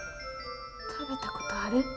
食べたことある？